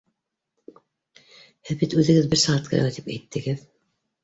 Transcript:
— Һеҙ бит үҙегеҙ бер сәғәткә генә тип әйттегеҙ.